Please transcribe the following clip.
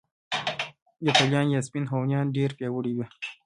یفتلیان یا سپین هونیان ډیر پیاوړي وو